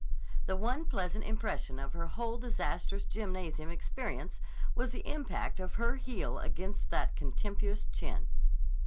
The one pleasant impression of her whole disastrous gymnasium experience was the impact of her heel against that contemptuous chin.